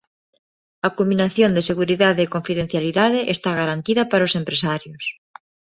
A combinación de seguridade e confidencialidade está garantida para os empresarios.